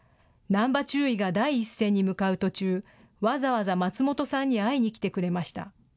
難波中尉が第一線に向かう途中、わざわざ松本さんに会いに来てくれました。